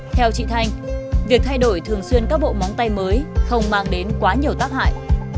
theo chị thanh việc thay đổi thường xuyên các bộ móng tay mới không mang đến quá nhiều tác hại